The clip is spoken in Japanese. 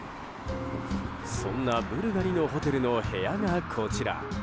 そんなブルガリのホテルの部屋がこちら。